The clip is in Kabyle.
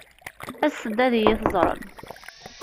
Aset-d ad iyi-teẓṛem.